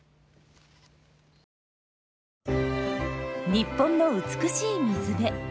日本の美しい水辺。